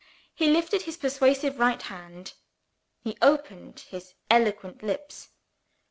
He lifted his persuasive right hand; he opened his eloquent lips.